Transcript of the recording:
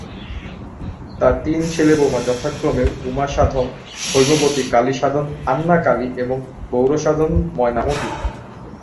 তার তিন ছেলে-বৌমা যথাক্রমে উমাসাধন-হৈমবতী, কালীসাধন-আন্নাকালি এবং গৌড়সাধন-ময়নামতি।